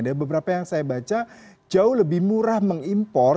ada beberapa yang saya baca jauh lebih murah mengimpor